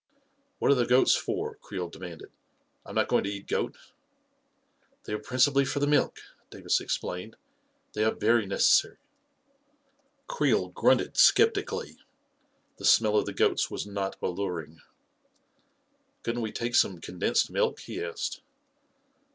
"What are the goats for?" Creel demanded. 44 I'm not going to eat goat" 41 They are principally for the milk," Davis ex plained. " They are very necessary." Creel grunted skeptically. The smell of the goats was not alluring. 44 Couldn't we take some condensed milk ?" he asked.